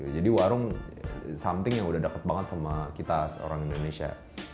jadi warung something yang udah deket banget sama kita seorang indonesia